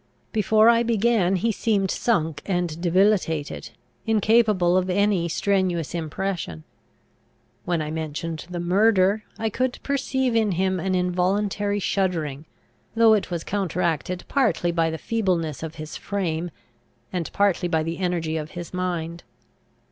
Before I began, he seemed sunk and debilitated, incapable of any strenuous impression. When I mentioned the murder, I could perceive in him an involuntary shuddering, though it was counteracted partly by the feebleness of his frame, and partly by the energy of his mind.